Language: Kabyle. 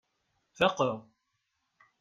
Faqeɣ.